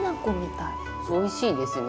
おいしいですね。